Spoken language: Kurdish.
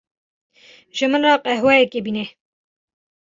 Ji min re qehweyekê bîne.